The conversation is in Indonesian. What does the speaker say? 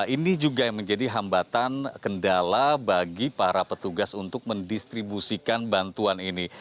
ini juga yang menjadi hambatan kendala bagi para petugas untuk mendistribusikan bantuan ini